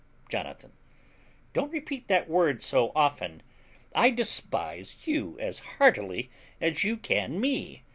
Jonathan. Don't repeat that word so often. I despise you as heartily as you can me.